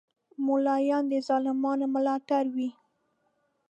مولایان د ظالمانو ملاتړ وی